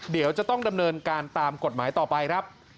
เดี๋ยวจะต้องดำเนินการตามกฎหมายต่อไปครับ